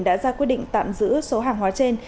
đã ra quyết định tạm giữ số hàng hóa trên